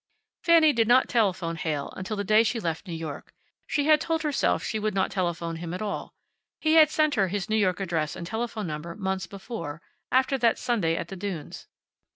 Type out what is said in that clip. Fanny did not telephone Heyl until the day she left New York. She had told herself she would not telephone him at all. He had sent her his New York address and telephone number months before, after that Sunday at the dunes.